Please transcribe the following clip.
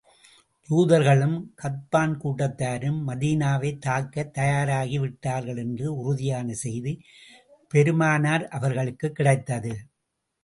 யூதர்களும், கத்பான் கூட்டத்தாரும் மதீனாவைத் தாக்கத் தயாராகி விட்டார்கள் என்ற உறுதியான செய்தி பெருமானார் அவர்களுக்குக் கிடைத்தது.